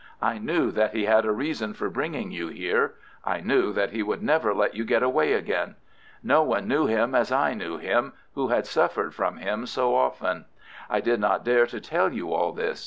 I knew that he had a reason for bringing you here. I knew that he would never let you get away again. No one knew him as I knew him, who had suffered from him so often. I did not dare to tell you all this.